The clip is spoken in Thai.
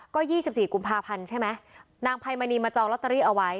ก็๒๔กุมภาพันธ์ใช่ไหมนางไพมณีมาจองลอตเตอรี่เอาไว้